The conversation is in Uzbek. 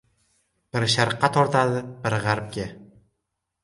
• Biri sharqqa tortadi, biri ― g‘arbga.